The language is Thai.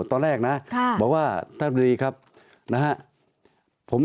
ตั้งแต่เริ่มมีเรื่องแล้ว